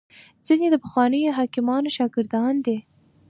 ځیني د پخوانیو حکیمانو شاګردان دي